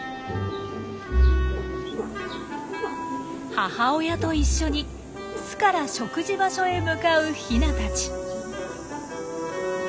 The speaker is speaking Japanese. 母親と一緒に巣から食事場所へ向かうヒナたち。